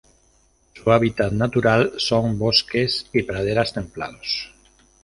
Su hábitat natural son: bosques y praderas templados.